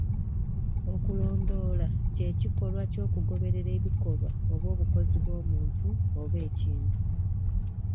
Okulondoola ky'ekikolwa ky'okugoberera ebikolwa oba obukozi bw'omuntu oba ekintu.